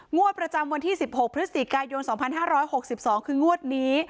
งวดประจำวันที่๑๖พฤศจิกายน๒๕๖๒คืองวดนี้